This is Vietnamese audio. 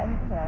hai giá này